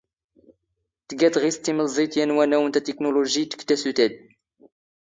ⵜⴳⴰ ⵜⵖⵉⵙⵜ ⵜⵉⵎⵍⵥⵉⵜ ⵢⴰⵏ ⵡⴰⵏⴰⵡ ⵏ ⵜⴰⵜⵉⴽⵏⵓⵍⵓⵊⵉⵜ ⴳ ⵜⴰⵙⵓⵜ ⴰⴷ.